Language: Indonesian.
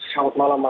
selamat malam mas